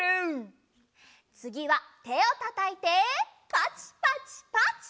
つぎはてをたたいてパチパチパチ。